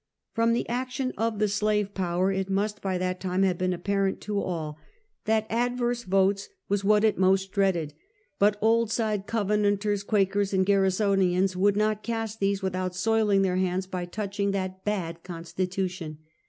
From the action of the slave power, it must by that time have been apparent to all, that adverse votes was 200 Half a Century. what it most dreaded; but old side Covenanters, Qua kers, and Garrisonians conld not cast these without soiling their hands by touching that bad Constitution.